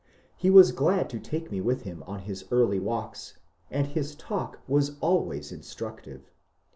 He was glad to take me with him on his early walks, and his talk was always instructive.